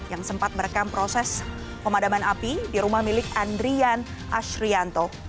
yang sempat merekam proses pemadaman api di rumah milik andrian asrianto